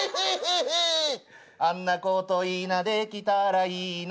「あんなこといいなできたらいいな」